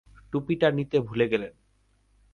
টুপিটা নিতে ভুলে গেলেন।